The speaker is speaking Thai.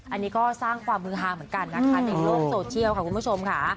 อันนี้ก็สร้างความฮือฮาเหมือนกันนะคะในโลกโซเชียลค่ะคุณผู้ชมค่ะ